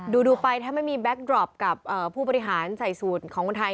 ดูไปถ้าไม่มีแก๊กดรอปกับผู้บริหารใส่สูตรของคนไทย